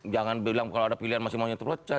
jangan bilang kalau ada pilihan masing masing yang terpecah